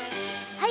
はい。